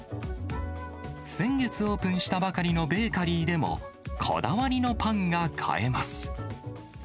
先月オープンしたばかりのベーカリーでも、こだわりのパンが買えます。